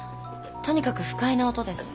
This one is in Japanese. とにかく不快な音です。